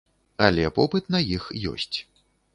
Але попыт на іх ёсць.